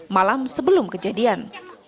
malam sebelum kejadian